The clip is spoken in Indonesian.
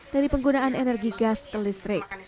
dari penggunaan energi gas ke listrik